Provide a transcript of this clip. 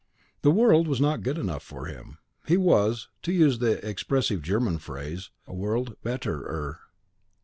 The world was not good enough for him; he was, to use the expressive German phrase, A WORLD BETTERER!